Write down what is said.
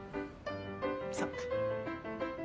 そっか。